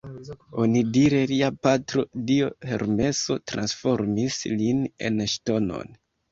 Onidire lia patro, dio Hermeso transformis lin en ŝtonon.